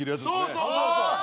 そうそうそうそう。